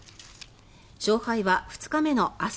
勝敗は２日目の明日